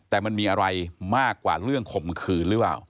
แต่มันมีอะไรมากกว่าเรื่องข่มขืนหรือเปล่า